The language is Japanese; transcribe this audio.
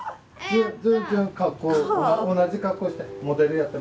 旬同じ格好して。